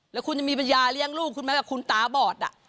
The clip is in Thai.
แล้วคุณจะมีบรรยาเลี้ยงลูกคุณแม้ว่าคุณตาบอดอ่ะ